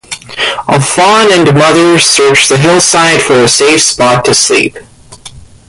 A fawn and mother searched the hillside for a safe spot to sleep.